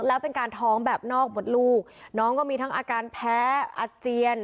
แล้วเป็นการท้องแบบนอกหมดลูกน้องก็มีทั้งอาการแพ้อาเจียน